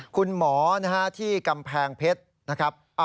คุณหมอที่กำแพงเพชรนะครับ